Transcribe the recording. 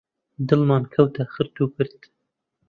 دڵمان کەوتە خرت و پرت